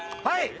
はい。